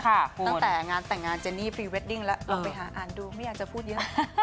ตั้งแต่งานแต่งงานเจนี่พรีเวดดิ้งแล้วลองไปหาอ่านดูไม่อยากจะพูดเยอะ